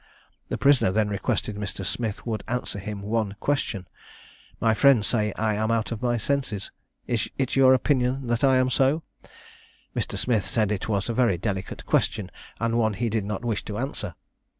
The prisoner then requested Mr. Smith would answer him one question "My friends say I am out of my senses; is it your opinion that I am so?" Mr. Smith said it was a very delicate question, and one he did not wish to answer.